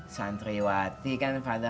santriwati kan pada